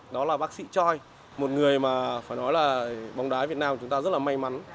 đó là bác sĩ choi một người mà phải nói là bóng đá việt nam chúng ta rất là may mắn